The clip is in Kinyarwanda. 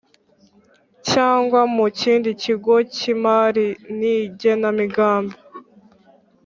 cyangwa mu kindi kigo cy imari nigena migambi